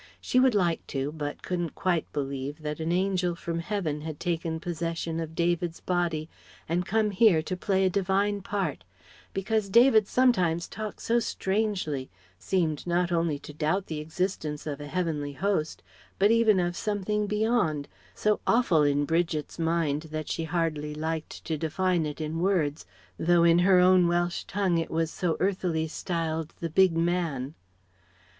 She would like to, but couldn't quite believe that an angel from heaven had taken possession of David's body and come here to play a divine part; because David sometimes talked so strangely seemed not only to doubt the existence of a heavenly host, but even of Something beyond, so awful in Bridget's mind that she hardly liked to define it in words, though in her own Welsh tongue it was so earthily styled "the Big Man."